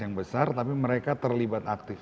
yang besar tapi mereka terlibat aktif